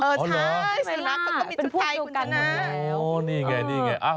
เออใช่สุนัขเขาก็มีชุดไทยของฉันนะไม่ล่ะอ๋อนี่ไง